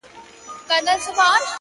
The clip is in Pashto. • باران دي وي سیلۍ دي نه وي,